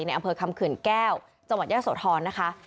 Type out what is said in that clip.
อำเภอคำเขื่อนแก้วจังหวัดยะโสธรนะคะ